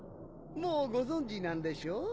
もうご存じなんでしょ？